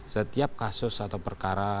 setiap kasus atau perkara